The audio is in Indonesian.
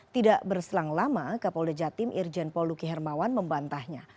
tidak berselang lama kapolda jatim irjen poluki hermawan membantahnya